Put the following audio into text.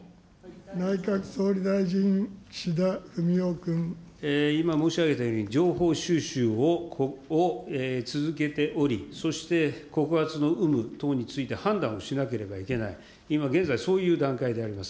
内閣総理大臣、今申し上げたように、情報収集を続けており、そして告発の有無等について判断をしなければいけない、今、現在そういう段階であります。